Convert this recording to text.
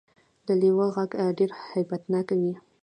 د لیوه غږ ډیر هیبت ناک وي